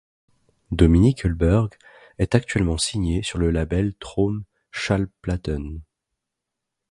Dominik Eulberg est actuellement signé sur le label Traum Schallplatten.